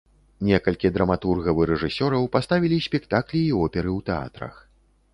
Некалькі драматургаў і рэжысёраў паставілі спектаклі і оперы ў тэатрах.